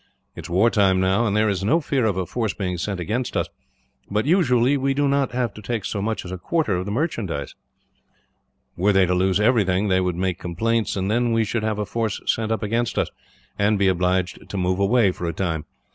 It is war time now, and there is no fear of a force being sent against us; but usually we do not take so much as a quarter of the merchandise. Were they to lose everything, they would make complaints; and then we should have a force sent up against us, and be obliged to move away, for a time.